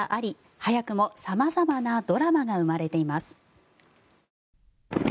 早くも様々なドラマが生まれています。